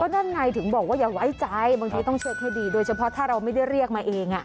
นั่นไงถึงบอกว่าอย่าไว้ใจบางทีต้องเช็คให้ดีโดยเฉพาะถ้าเราไม่ได้เรียกมาเอง